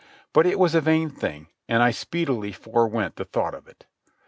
But it was a vain thing, and I speedily forwent the thought of it.